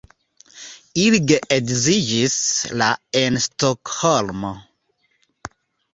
Ili geedziĝis la en Stokholmo.